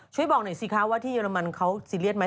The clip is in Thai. ช่วยบอกหน่อยสิคะว่าที่เยอรมมันเค้าซิเรียสมมั้ย